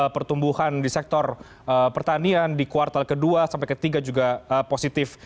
pertumbuhan di sektor pertanian di kuartal kedua sampai ketiga juga positif